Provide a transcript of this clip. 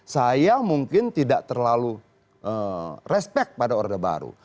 saya mungkin tidak terlalu respect pada orde baru